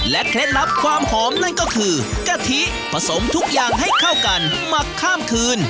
เคล็ดลับความหอมนั่นก็คือกะทิผสมทุกอย่างให้เข้ากันหมักข้ามคืน